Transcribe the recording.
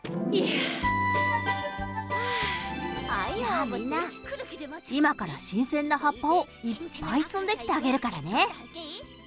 やぁ、みんな今から新鮮な葉っぱをいっぱい摘んできてあげるからね。